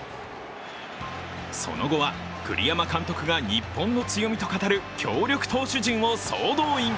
その後は栗山監督が日本の強みと語る強力投手陣を総動員。